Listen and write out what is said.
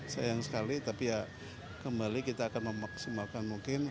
sayang sekali tapi ya kembali kita akan memaksimalkan mungkin